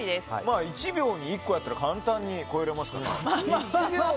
１秒に１個やったら簡単に超えれますから。